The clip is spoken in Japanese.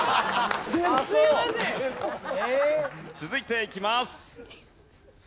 続いていきます。